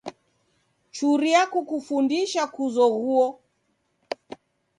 Churia kukufundisha kuzoghuo.